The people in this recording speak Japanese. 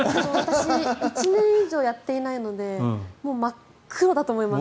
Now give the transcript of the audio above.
私１年以上やっていないのでもう真っ黒だと思います。